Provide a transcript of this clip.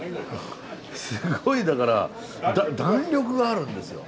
すごいだから弾力があるんですよ。